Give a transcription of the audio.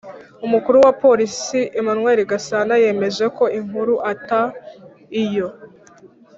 umukuru wa polisi emmanuel gasana yemeje ko inkuru ataiyo